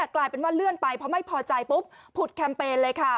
กลายเป็นว่าเลื่อนไปเพราะไม่พอใจปุ๊บผุดแคมเปญเลยค่ะ